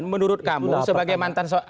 menurut kamu sebagai mantan